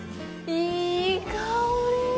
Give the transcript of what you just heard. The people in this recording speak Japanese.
いい香り！